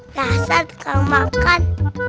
dasar tengah makan